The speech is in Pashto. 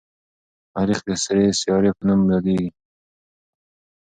مریخ د سرې سیارې په نوم یادیږي.